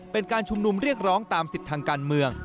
เป็นการชุมนุมเรียกร้องตามสิทธิ์ทางการเมือง